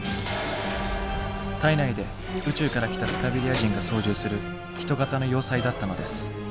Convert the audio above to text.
体内で宇宙から来たスカベリア人が操縦する人型の要塞だったのです。